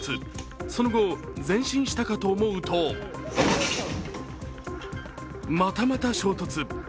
その後、前進したかと思うとまたまた衝突。